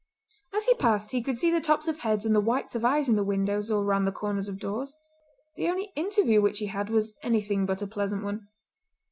As he passed he could see the tops of heads and the whites of eyes in the windows or round the corners of doors. The only interview which he had was anything but a pleasant one.